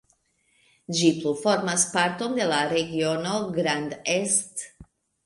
Ĝi plu formas parton de la regiono Grand Est.